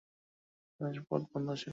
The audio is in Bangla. সেখানে সব পথ বন্ধ ছিল।